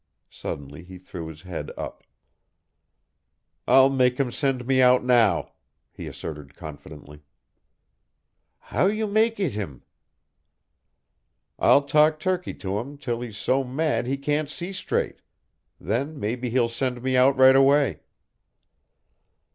Suddenly he threw his head up. "I'll make him send me out now," he asserted confidently. "How you mak' eet him?" "I'll talk turkey to him till he's so mad he can't see straight. Then maybe he'll send me out right away."